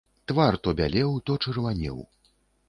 Твар то бялеў, то чырванеў.